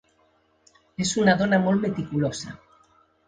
És una dona molt meticulosa.